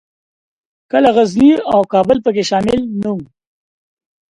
کله غزني او کابل پکښې شامل نه وو.